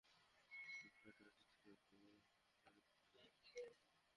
সেটাই হারো আর জিতো সব গুটিতো একই ঘরে যাবে।